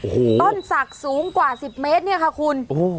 ต้นสักสูงกว่า๑๐เมตรเนี่ยค่ะคุณ